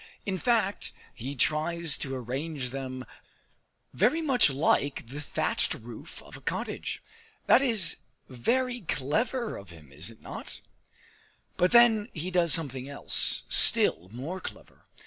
In fact, he tries to arrange them very much like the thatched roof of a cottage. That is very clever of him, is it not? But then he does something else, still more clever!